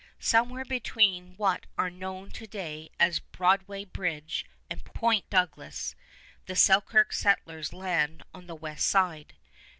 Somewhere between what are known to day as Broadway Bridge and Point Douglas, the Selkirk settlers land on the west side.